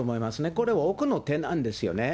これ、奥の手なんですよね。